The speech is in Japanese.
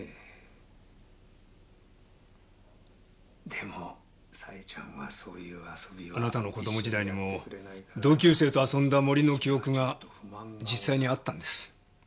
「でも佐江ちゃんは」あなたの子供時代にも同級生と遊んだ森の記憶が実際にあったんです。